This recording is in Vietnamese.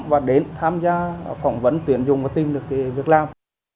và đến tham gia phỏng vấn tuyển dụng và tìm được việc làm